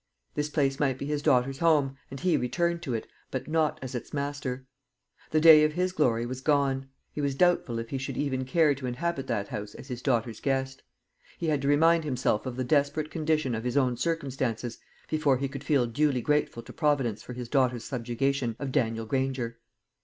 This place might be his daughter's home, and he return to it: but not as its master. The day of his glory was gone. He was doubtful if he should even care to inhabit that house as his daughter's guest. He had to remind himself of the desperate condition of his own circumstances before he could feel duly grateful to Providence for his daughter's subjugation of Daniel Granger.